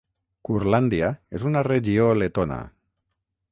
Curlàndia és una regió letona.